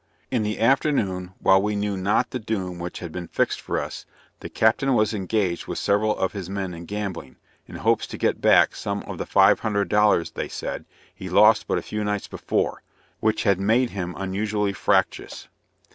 In the afternoon, while we knew not the doom which had been fixed for us, the captain was engaged with several of his men in gambling, in hopes to get back some of the five hundred dollars, they said, he lost but a few nights before; which had made his unusually fractious.